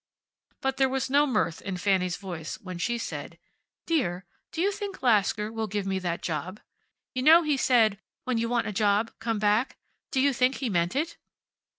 But there was no mirth in Fanny's voice when she said, "Dear, do you think Lasker will give me that job? You know he said, `When you want a job, come back.' Do you think he meant it?"